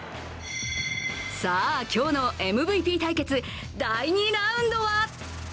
さあ、今日のＭＶＰ対決、第２ラウンドは。